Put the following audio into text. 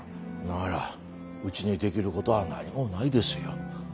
ならうちにできることは何もないですよ。